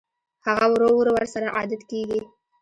هغه ورو ورو ورسره عادت کېږي